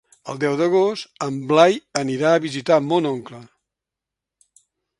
El deu d'agost en Blai anirà a visitar mon oncle.